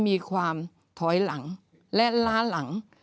มีความถอยหลังและล้าหลัง